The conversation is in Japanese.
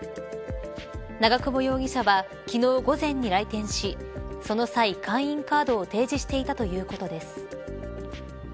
長久保容疑者は昨日午前に来店しその際、会員カードを提示していたということです。